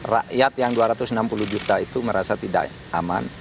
rakyat yang dua ratus enam puluh juta itu merasa tidak aman